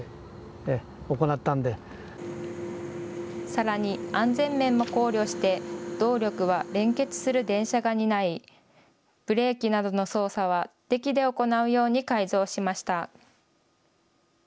さらに安全面も考慮して動力は連結する電車が担いブレーキなどの操作はデキで行うように改造しました。